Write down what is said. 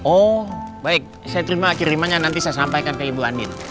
oh baik saya terima kirimannya nanti saya sampaikan ke ibu ani